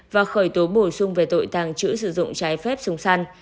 và khởi tố bổ sung về tội tàng trữ sử dụng trái phép súng săn